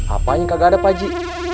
apaan yang kagak ada pak haji